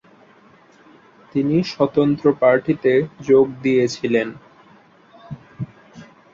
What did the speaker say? তিনি স্বতন্ত্র পার্টিতে যোগ দিয়েছিলেন।